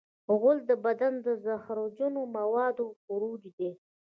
غول د بدن د زهرجنو موادو خروج دی.